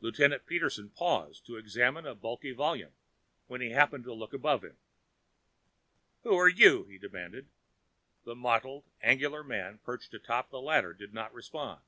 Lieutenant Peterson paused to examine a bulky volume, when he happened to look above him. "Who are you?" he demanded. The mottled, angular man perched atop the ladder did not respond.